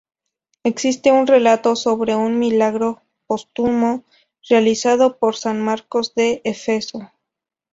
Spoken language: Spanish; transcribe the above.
Existe un relato sobre un milagro póstumo realizado por san Marcos de Éfeso.